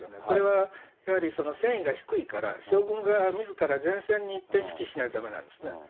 これはやはり、戦意が低いから、将軍が、みずから前線に行って、指揮しないとだめなんですね。